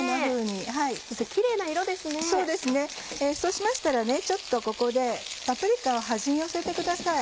そうしましたらちょっとここでパプリカを端に寄せてください。